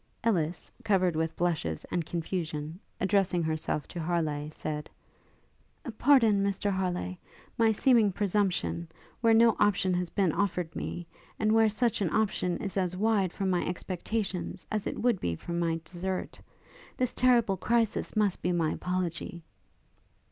Ellis, covered with blushes and confusion, addressing herself to Harleigh, said, 'Pardon, Mr Harleigh, my seeming presumption, where no option has been offered me; and where such an option is as wide from my expectations as it would be from my desert. This terrible crisis must be my apology.'